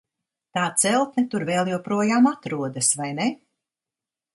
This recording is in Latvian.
Tā celtne tur vēl joprojām atrodas, vai ne?